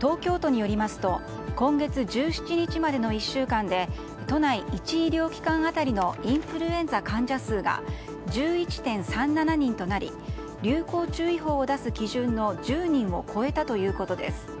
東京都によりますと今月１７日までの１週間で都内１医療機関当たりのインフルエンザ患者数が１１．３７人となり流行注意報を出す基準の１０人を超えたということです。